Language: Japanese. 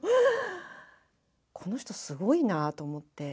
この人すごいなぁと思って。